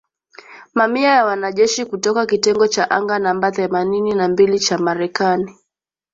mamia ya wanajeshi kutoka kitengo cha anga namba themanini na mbili cha Marekani,